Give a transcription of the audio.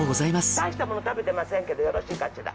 大したもの食べてませんけどよろしいかしら。